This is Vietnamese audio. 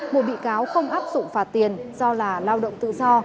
một bị cáo không áp dụng phạt tiền do là lao động tự do